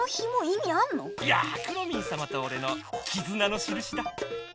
いやくろミンさまとおれのきずなのしるしだ！